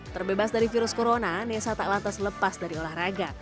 terbebas dari virus corona nessa tak lantas lepas dari olahraga